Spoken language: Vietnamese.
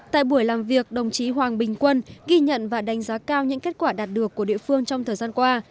tại buổi làm việc đồng chí hoàng bình quân ghi nhận và đánh giá cao những kết quả đạt được của địa phương trong thời gian qua